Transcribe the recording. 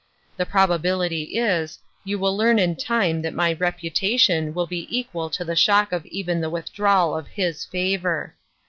The probability is, you will learn in time that my reputation will be equal to the shock of even the withdrawal of his favor.